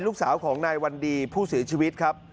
ลูกสาวของนายวันดีผู้เสียชีวิตครับ